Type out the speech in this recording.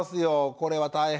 これは大変。